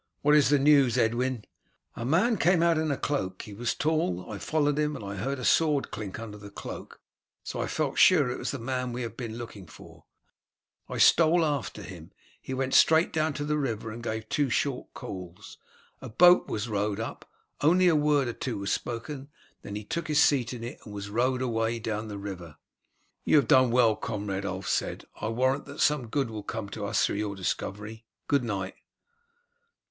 "What is the news, Edwyn?" "A man came out in a cloak. He was tall. I followed him and heard a sword clink under the cloak, and so felt sure it was the man we have been looking for. I stole after him. He went straight down to the river and gave two short calls. A boat was rowed up. Only a word or two was spoken, and then he took his seat in it, and it was rowed away down the river." "You have done well, comrade," Ulf said. "I warrant that some good will come to us through your discovery. Good night."